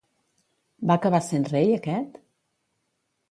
Va acabar sent rei aquest?